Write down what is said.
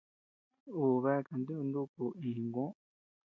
Uu bea kanta ñuuu nuku iña Jiguoo.